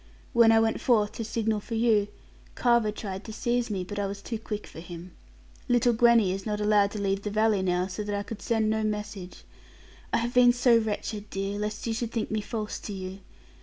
When I went forth, to signal for you, Carver tried to seize me; but I was too quick for him. Little Gwenny is not allowed to leave the valley now; so that I could send no message. I have been so wretched, dear, lest you should think me false to you.